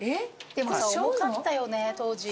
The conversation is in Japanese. でもさ重かったよね当時。